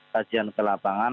kajian ke lapangan